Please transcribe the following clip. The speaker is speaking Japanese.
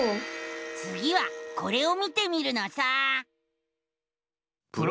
つぎはこれを見てみるのさ！